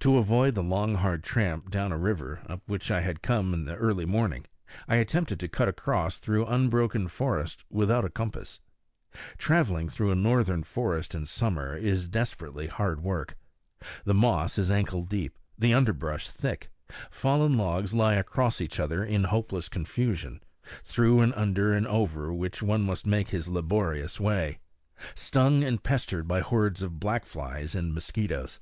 To avoid the long hard tramp down a river, up which I had come in the early morning, I attempted to cut across through unbroken forest without a compass. Traveling through a northern forest in summer is desperately hard work. The moss is ankle deep, the underbrush thick; fallen logs lie across each other in hopeless confusion, through and under and over which one must make his laborious way, stung and pestered by hordes of black flies and mosquitoes.